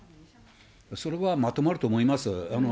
それはまとまると思います。